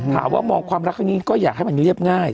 ถามว่ามองความรักข้างนี้ก็อยากให้มันเรียบง่าย